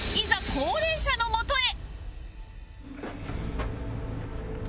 高齢者のもとへ